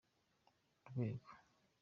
urwego.